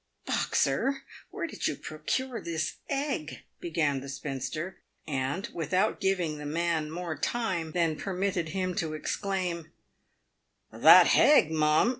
" Boxer, where did you procure this egg ?" began the spinster ; and, without giving the man more time than permitted him to exclaim, " That hegg, mum